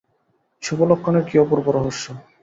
শুভলক্ষণের কী অপূর্ব রহস্য!